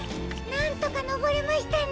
なんとかのぼれましたね。